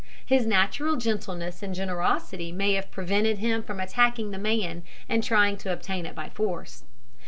His natural gentleness and generosity may have prevented him from attacking the man and trying to obtain it by force.